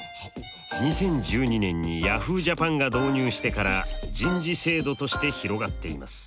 ２０１２年にヤフージャパンが導入してから人事制度として広がっています。